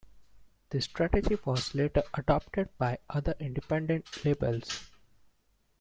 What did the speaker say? The strategy was later adopted by other independent labels.